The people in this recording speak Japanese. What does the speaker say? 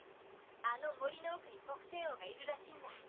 あの森の奥に朴仙翁がいるらしいんだ。